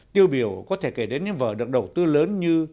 tiêu biểu có thể kể đến những vở được đầu tư lớn như